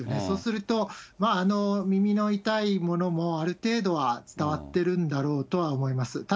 そうすると、耳の痛いものもある程度は伝わってるんだろうとは思います。